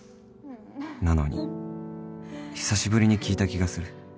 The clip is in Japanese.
なのに久しぶりに聞いた気がする